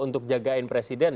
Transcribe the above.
untuk jagain presiden